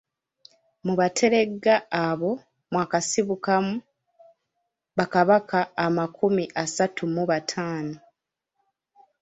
Mu Bateregga abo mwakasibukamu Bakabaka amakumi asatu mu bataano.